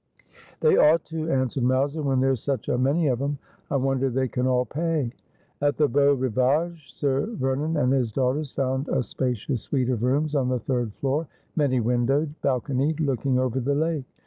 ' They ought to,' answered Mowser, ' when there's such a many of 'em. I wonder they can all pay.' At the Beau Eivage, Sir Vernon and his daughters found a spacious suite of rooms on the third floor, many windowed, balconied, looking over the lake.